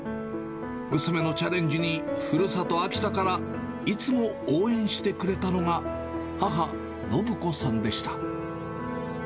娘のチャレンジに、ふるさと秋田からいつも応援してくれたのが、母、伸子さんでした。